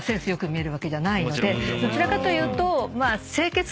どちらかというと。